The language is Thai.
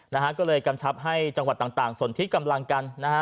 นะฮะก็เลยกำชับให้จังหวัดต่างต่างสนทิกำลังกันนะฮะ